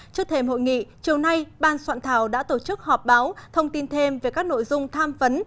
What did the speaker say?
trước thêm hội nghị chiều nay ban soạn thảo đã tổ chức họp báo thông tin thêm về các nội dung tham vấn